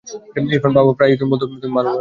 ইরফান, বাবা প্রায়ই বলতো তুমি ভালো মানুষ ছিলে।